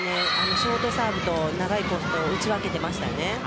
ショートサーブと長いコースと打ち分けていました。